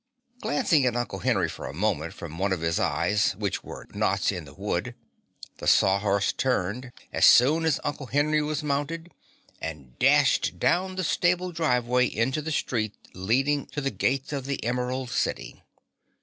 Glancing at Uncle Henry for a moment from one of his eyes which were knots in the wood, the Sawhorse turned, as soon as Uncle Henry was mounted, and dashed down the stable driveway into the street leading to the gates of the Emerald City.